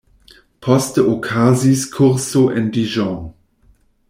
Poste okazis kurso en Dijon.